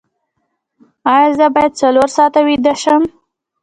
ایا زه باید څلور ساعته ویده شم؟